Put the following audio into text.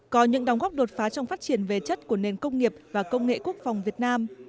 có những đóng góp đột phá trong phát triển về chất của nền công nghiệp và công nghệ quốc phòng việt nam